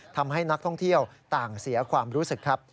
ทำให้นักท่องเที่ยวต่างเสียความรู้สึกครับ